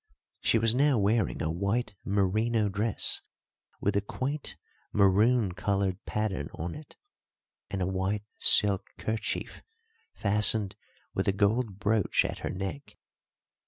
She was now wearing a white merino dress with a quaint maroon coloured pattern on it, and a white silk kerchief fastened with a gold brooch at her neck.